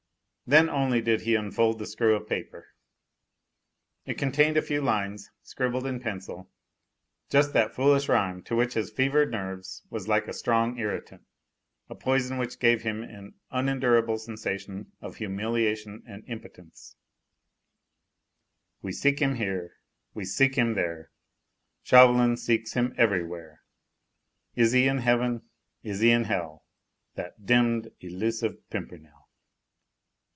Then only did he unfold the screw of paper. It contained a few lines scribbled in pencil just that foolish rhyme which to his fevered nerves was like a strong irritant, a poison which gave him an unendurable sensation of humiliation and impotence: "We seek him here, we seek him there! Chauvelin seeks him everywhere! Is he in heaven? Is he in hell? That demmed, elusive Pimpernel!"